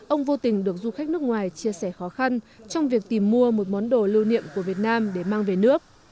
ông vô tình được du khách nước ngoài chia sẻ khó khăn trong việc tìm mua một món đồ lưu niệm của việt nam để mang về nước